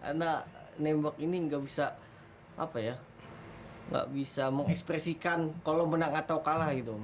karena nembak ini nggak bisa apa ya nggak bisa mengekspresikan kalau menang atau kalah gitu